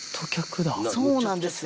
そうなんですよ。